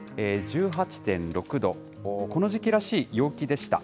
１８．６度、この時期らしい陽気でした。